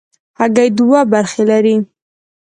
هګۍ دوه برخې لري.